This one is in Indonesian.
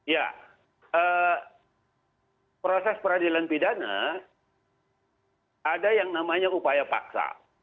ya proses peradilan pidana ada yang namanya upaya paksa